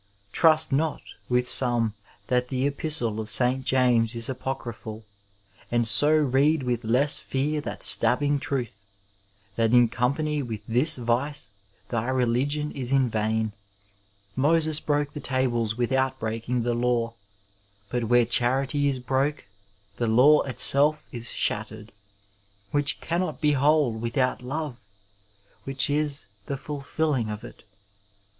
Trust not with some that the Epistle of St. James is apocryphal, and so read with less fear that stabbiog truth, that in company with this vice thy religion is in vain. Moses broke the tables without breaking the law; but where charity is broke the law itself is shattered, which cannot be whole without love, which is the ful filling of it.